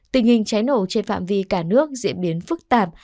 tình hình cháy nổ trên phạm vi cả nước diễn biến phức tạp